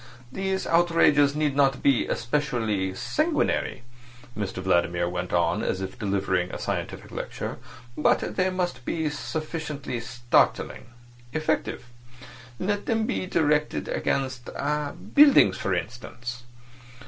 "These outrages need not be especially sanguinary," Mr Vladimir went on, as if delivering a scientific lecture, "but they must be sufficiently startling—effective. Let them be directed against buildings, for instance.